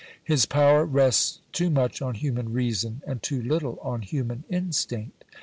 His power rests too much on human reason, and too little on human instinct.